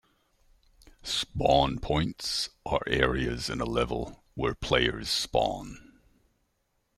"Spawn points" are areas in a level where players spawn.